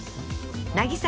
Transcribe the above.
渚